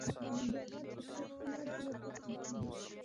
د ننګرهار په کوز کونړ کې د څه شي نښې دي؟